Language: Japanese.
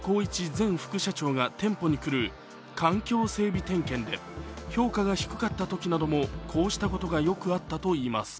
前副社長が店舗に来る環境整備点検で評価が低かったときなどもこうしたことがよくあったといいます。